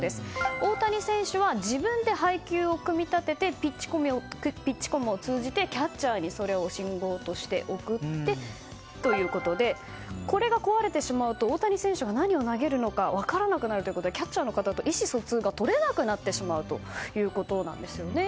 大谷選手は自分で配球を組み立てて、ピッチコムを通じてキャッチャーにそれを信号として送ってということでこれが壊れてしまうと大谷選手が何を投げるのか分からなくなるということでキャッチャーの方と意思疎通が取れなくなってしまうということなんです。